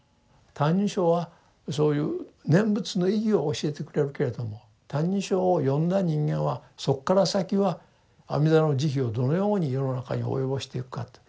「歎異抄」はそういう念仏の意義を教えてくれるけれども「歎異抄」を読んだ人間はそこから先は阿弥陀の慈悲をどのように世の中に及ぼしていくかと。